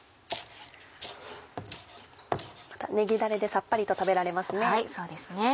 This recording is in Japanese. ねぎだれでさっぱりと食べられますね。